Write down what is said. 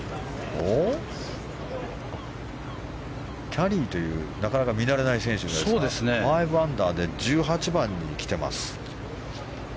キャリーというなかなか見慣れない選手が５アンダーで１８番に来てます。